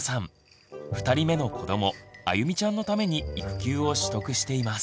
２人目の子どもあゆみちゃんのために育休を取得しています。